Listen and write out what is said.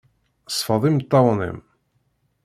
Sfeḍ imeṭṭawen-im.